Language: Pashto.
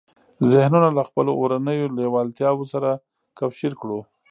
ذهنونه له خپلو اورنيو لېوالتیاوو سره کوشير کړو.